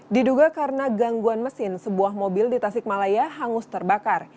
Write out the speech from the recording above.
diduga karena gangguan mesin sebuah mobil di tasikmalaya hangus terbakar